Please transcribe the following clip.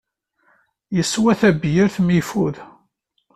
Yeswa tabyirt mi yefud.